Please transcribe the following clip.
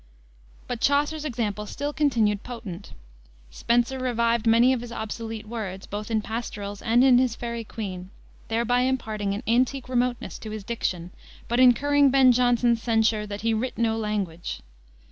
But Chaucer's example still continued potent. Spenser revived many of his obsolete words, both in his pastorals and in his Faery Queene, thereby imparting an antique remoteness to his diction, but incurring Ben Jonson's censure, that he "writ no language."